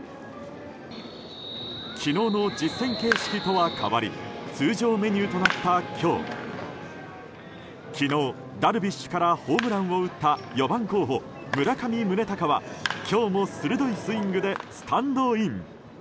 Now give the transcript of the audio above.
昨日の実戦形式とは変わり通常メニューとなった今日昨日、ダルビッシュからホームランを打った４番候補、村上宗隆は今日も鋭いスイングでスタンドイン。